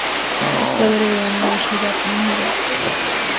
Es padre de Daniel Giralt-Miracle.